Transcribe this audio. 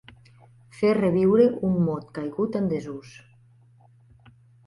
Fer reviure un mot caigut en desús.